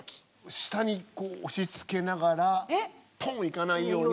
下にこう押しつけながらポーンいかないように。